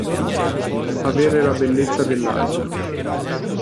Avere la bellezza dell'asino.